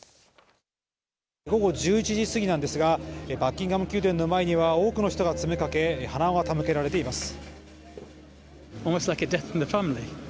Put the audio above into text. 午後１１時すぎなんですがバッキンガム宮殿の前には多くの人が詰めかけ、花が手向けられています。